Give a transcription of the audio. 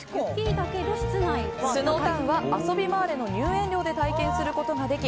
スノータウンはあそびマーレの入園料で体験することができ